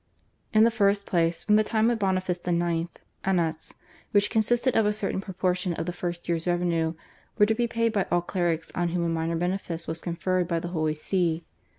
In the first place from the time of Boniface IX. annats, which consisted of a certain proportion of the first year's revenue, were to be paid by all clerics on whom a minor benefice was conferred by the Holy See.